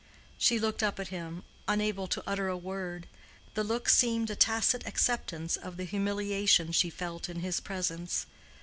She looked up at him, unable to utter a word—the look seemed a tacit acceptance of the humiliation she felt in his presence.